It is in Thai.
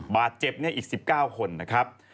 บาดเจ็บอีก๑๙คนนะครับ